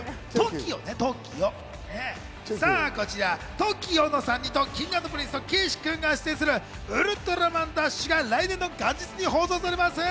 ＴＯＫＩＯの３人とＫｉｎｇ＆Ｐｒｉｎｃｅの岸君が出演する『ウルトラマンＤＡＳＨ』が来年の元日に放送されます。